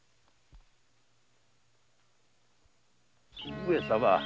上様。